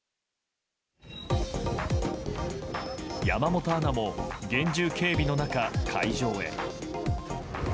山本アナも厳重警備の中、会場へ。